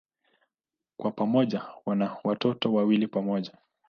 Kwa pamoja wana watoto wawili pamoja.